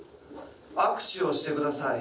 「握手をして下さい」